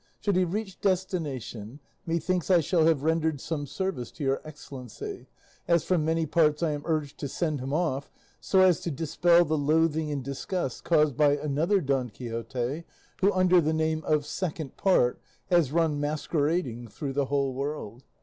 Should he reach destination methinks I shall have rendered some service to Your Excellency, as from many parts I am urged to send him off, so as to dispel the loathing and disgust caused by another Don Quixote who, under the name of Second Part, has run masquerading through the whole world.